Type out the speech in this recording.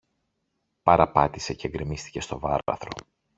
παραπάτησε και γκρεμίστηκε στο βάραθρο